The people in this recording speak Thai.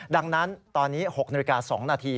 ดังนั้นตอนนี้๖นาฬิกา๒นาที